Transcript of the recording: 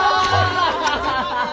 アハハハ！